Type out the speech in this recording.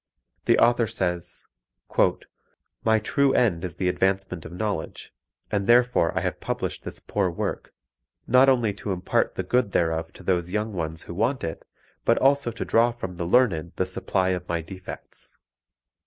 The author says: "My true end is the advancement of knowledge, and therefore I have published this poor work, not only to impart the good thereof to those young ones who want it, but also to draw from the learned the supply of my defects....